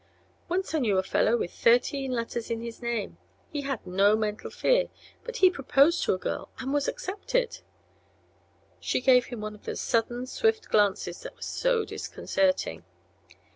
"Once I knew a fellow with thirteen letters in his name. He had no mental fear. But he proposed to a girl and was accepted." She gave him one of those sudden, swift glances that were so disconcerting.